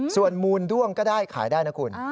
ส่วนมูลด้วงก็ได้ขายได้นะคุณ